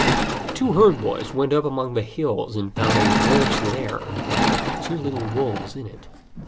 Two herd boys went up among the hills and found a wolf's lair with two little wolves in it.